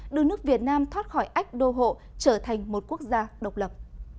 đưa nước việt nam thoát khỏi ách đô hộ trở thành một quốc gia độc lập